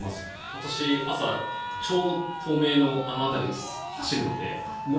私、朝、ちょうど東名のあの辺りを走るので。